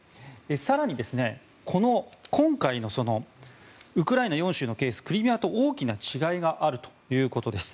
更に、この今回のウクライナ４州のケースはクリミアと大きな違いがあるということです。